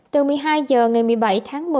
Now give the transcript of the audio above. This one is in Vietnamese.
từ một mươi hai giờ ngày một mươi bảy tháng một mươi